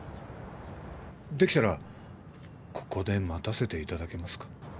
できたらここで待たせていただけますか？